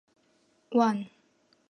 圣马凯尔。